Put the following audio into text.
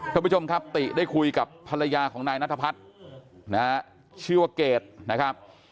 ท่านผู้ชมครับติได้คุยกับภรรยาของนายนัทพัฒน์นะฮะชื่อว่าเกดนะครับ